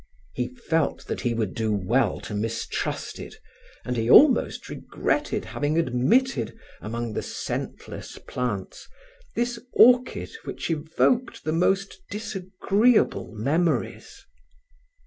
He felt that he would do well to mistrust it and he almost regretted having admitted, among the scentless plants, this orchid which evoked the most disagreeable memories.